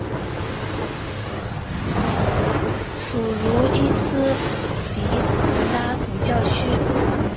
属茹伊斯迪福拉总教区。